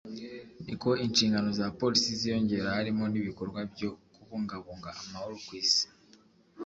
niko inshingano za polisi ziyongera harimo n’ibikorwa byo kubungabunga amahoro ku Isi